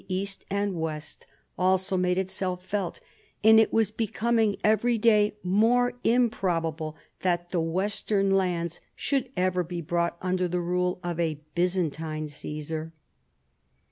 East and West also made itself felt, and it was be coming everyday more improbable that tiie western lands should ever be brought under the rule of a " Bvzantine " Cagsar.